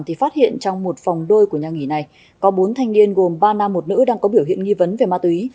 thì phát hiện trong một phòng đôi của nhà nghỉ này có bốn thanh niên gồm ba nam một nữ đang có biểu hiện nghi vấn về ma túy